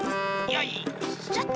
よいしょ！